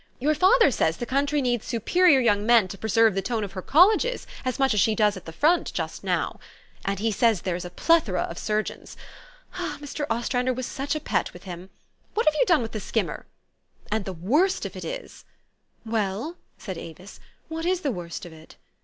Your father says the country needs superior young men to preserve the tone of her colleges as much as she does at the front just now. And he says there's a plethora of surgeons. Mr. Ostrander was such a pet with him ! What have you done with the skimmer ? And the worst of it is "" Well," said Avis, " what is the worst of it?